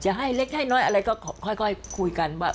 ให้เล็กให้น้อยอะไรก็ค่อยคุยกันว่า